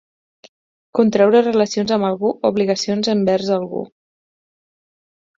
Contreure relacions amb algú, obligacions envers algú.